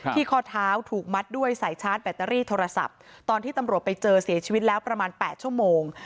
ข้อเท้าถูกมัดด้วยสายชาร์จแบตเตอรี่โทรศัพท์ตอนที่ตำรวจไปเจอเสียชีวิตแล้วประมาณ๘ชั่วโมง